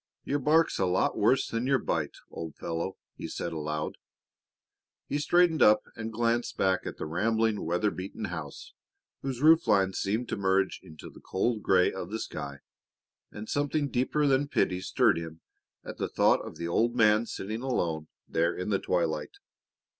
"Your bark's a lot worse than your bite, old fellow," he said aloud. He straightened up and glanced back at the rambling, weather beaten house, whose roof lines seemed to merge into the cold gray of the sky, and something deeper than pity stirred him at the thought of the old man sitting alone there in the twilight.